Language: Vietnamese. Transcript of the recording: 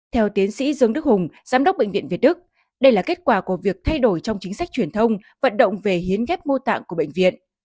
theo tiến sĩ dương đức hùng giám đốc bệnh viện việt đức đây là kết quả của việc thay đổi trong chính sách truyền thông vận động về hiến ghép mô tạng của bệnh viện